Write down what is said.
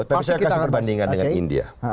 tapi saya kasih perbandingan dengan india